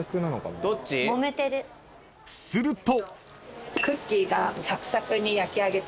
［すると］